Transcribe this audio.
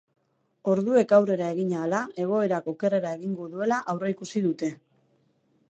Orduek aurrera egin ahala egoerak okerrera egingo duela aurreikusi dute.